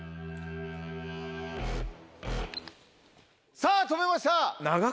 さぁ止めました。